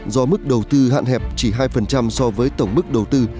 do mức đầu tư hạn hẹp chỉ hai so với tổng mức đầu tư